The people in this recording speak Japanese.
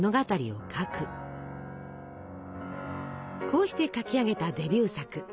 こうして書き上げたデビュー作。